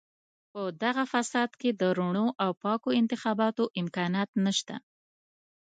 په دغه فساد کې د رڼو او پاکو انتخاباتو امکانات نشته.